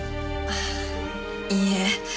あいいえ。